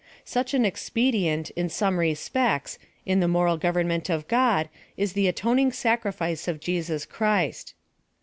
Such an expedient, in some respects, in the moral government of God is the atoning sacrifice of Jesus Christ.